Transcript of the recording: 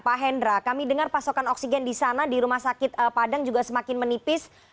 pak hendra kami dengar pasokan oksigen di sana di rumah sakit padang juga semakin menipis